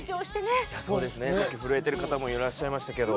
手先、震えてる方いらっしゃいましたけど？